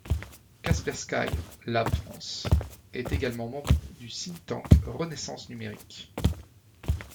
Kaspersky Lab France est également membre du think-tank Renaissance Numérique.